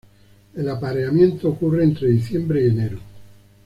El apareamiento ocurre entre diciembre y enero.